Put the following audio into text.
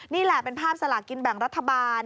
นี่แหละเป็นภาพสลากินแบ่งรัฐบาล